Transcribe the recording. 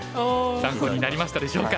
参考になりましたでしょうか。